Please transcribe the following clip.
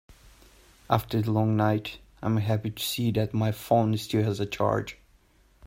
After the long night, I am happy to see that my phone still has a charge.